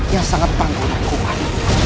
yang sangat bangga dan kuat